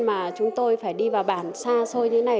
mà chúng tôi phải đi vào bản xa xôi thế này